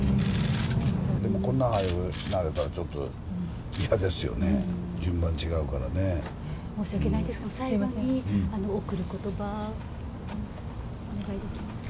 でもこんな早く死なれたら、ちょっと嫌ですよね、申し訳ないですが、最後に贈る言葉をお願いできますか。